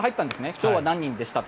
今日は何人でしたと。